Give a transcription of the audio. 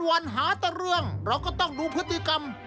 วันหาแต่เรื่องเราก็ต้องดูพฤติกรรม